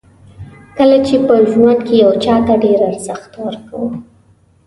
کله چې په ژوند کې یو چاته ډېر ارزښت ورکوو.